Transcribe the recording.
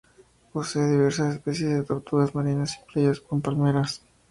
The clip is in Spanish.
Posee diversas especies de tortugas marinas y playas con palmeras.